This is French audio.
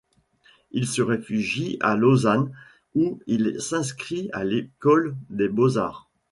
Il se réfugie à Lausanne où il s’inscrit à l’école des Beaux-Arts.